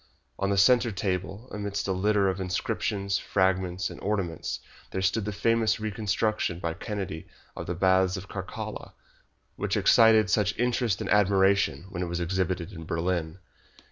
On the centre table, amidst a litter of inscriptions, fragments, and ornaments, there stood the famous reconstruction by Kennedy of the Baths of Caracalla, which excited such interest and admiration when it was exhibited in Berlin.